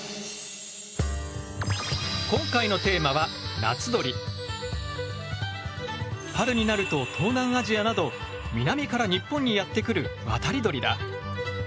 今回の春になると東南アジアなど南から日本にやって来る渡り鳥だ。